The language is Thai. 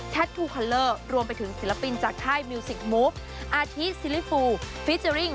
ทูคอลเลอร์รวมไปถึงศิลปินจากค่ายมิวสิกมูฟอาทิซิลิฟูฟิเจอร์ริ่ง